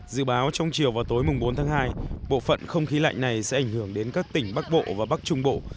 dự báo trong chiều và tối bốn tháng hai bộ phận không khí lạnh này sẽ ảnh hưởng đến các tỉnh bắc bộ và bắc trung bộ